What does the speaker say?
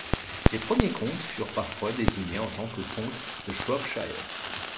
Les premiers comtes furent parfois désignés en tant que comte de Shropshire.